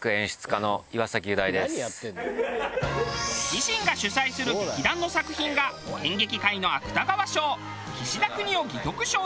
自身が主宰する劇団の作品が演劇界の芥川賞